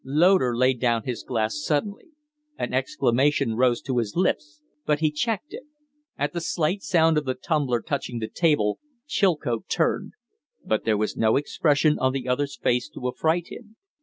Loder laid down his glass suddenly. An exclamation rose to his lips, but he checked it. At the slight sound of the tumbler touching the table Chilcote turned; but there was no expression on the other's face to affright him.